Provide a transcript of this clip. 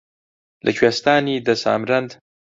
لە کوێستانی دە سامرەند